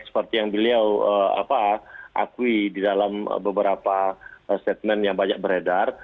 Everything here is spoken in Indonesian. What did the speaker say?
seperti yang beliau akui di dalam beberapa statement yang banyak beredar